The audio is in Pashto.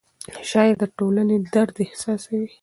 شاعر د ټولنې درد احساسوي.